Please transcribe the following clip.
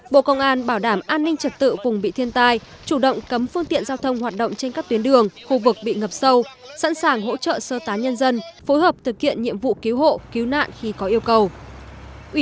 bộ công an bảo đảm an ninh trật tự vùng bị thiên tai chủ động cấm phương tiện giao thông hoạt động trên các tuyến đường khu vực bị ngập sâu sẵn sàng hỗ trợ sơ tán nhân dân phối hợp thực hiện nhiệm vụ cứu hộ cứu nạn khi có yêu cầu